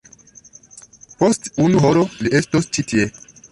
Post unu horo ni estos ĉi tie.